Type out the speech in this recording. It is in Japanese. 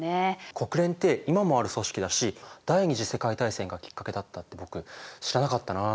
国連って今もある組織だし第二次世界大戦がきっかけだったって僕知らなかったなあ。